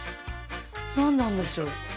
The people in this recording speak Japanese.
何なんでしょう？